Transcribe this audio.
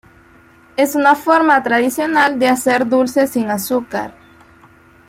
Es una forma tradicional de hacer dulce sin azúcar.